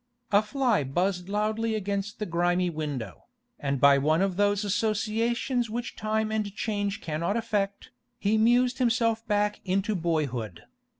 A fly buzzed loudly against the grimy window, and by one of those associations which time and change cannot affect, he mused himself back into boyhood.